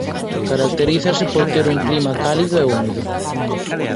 Caracterizase por ter un clima cálido e húmido.